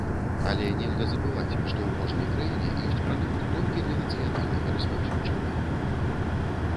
Але нельга забываць, што ў кожнай краіне ёсць прадукт толькі для нацыянальнага распаўсюджання.